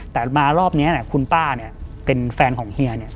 แต่มารอบนี้คุณป้าเป็นแฟนของเฮีย